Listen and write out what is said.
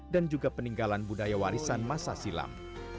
dan juga peninggalan budaya warisan masa silam